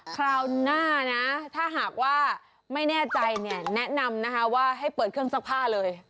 คราวหน้านะถ้าหากว่าไม่แน่ใจเนี่ยแนะนำนะคะว่าให้เปิดเครื่องซักผ้าเลย